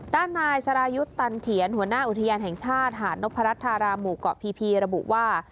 ด้านนายสรายุทธ์ตันเถียนหัวหน้าอุทยานแห่งชาติหาดนพรัชธาราหมู่เกาะพีระบุว่า